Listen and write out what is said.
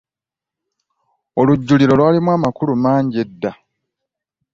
Olujjuliro lwalimu amakulu mangi edda.